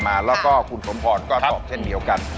แล้วก็คุณสมพรก็ตอบเช่นเดียวกัน